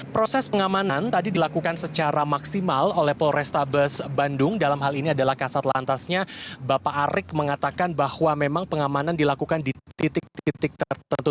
proses pengamanan tadi dilakukan secara maksimal oleh polrestabes bandung dalam hal ini adalah kasat lantasnya bapak arik mengatakan bahwa memang pengamanan dilakukan di titik titik tertentu